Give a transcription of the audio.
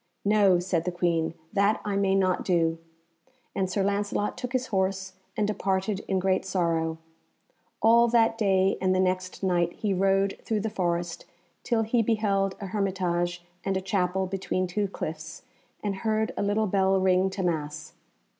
"No," said the Queen, "that I may not do," and Sir Lancelot took his horse and departed in great sorrow. All that day and the next night he rode through the forest till he beheld a hermitage and a chapel between two cliffs, and heard a little bell ring to Mass.